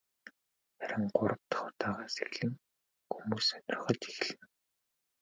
Харин гурав дахь удаагаас эхлэн хүмүүс сонирхож эхэлнэ.